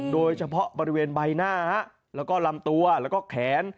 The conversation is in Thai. โดยเฉพาะบริเวณใบหน้าแล้วก็ลำตัวแล้วก็แขน